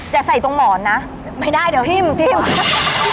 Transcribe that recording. อย่าใส่ตรงหมอนนะไม่ได้เดี๋ยวพิมพ์